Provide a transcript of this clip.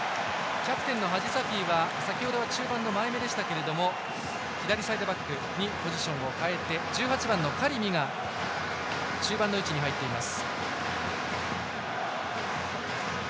キャプテンのハジサフィは先ほどは中盤の前めでしたが左サイドバックにポジションを変えて１８番のカリミが中盤の位置に入っています。